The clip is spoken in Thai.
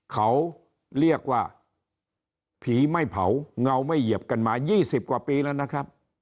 เขาเรียกว่าผีไม่เผาเงาไม่เหยียบกันมา๒๐กว่าปีแล้วนะครับ